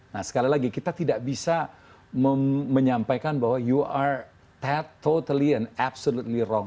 nah sekali lagi kita tidak bisa menyampaikan bahwa you are totally and absolutely wrong